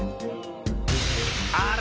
あれ？